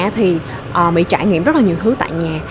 thì mỹ trải nghiệm rất nhiều thứ tại nhà